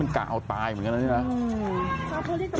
กะเอาตายเหมือนกันนะเนี่ยนะ